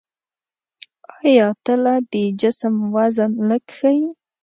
آیا تله د جسم وزن لږ ښيي؟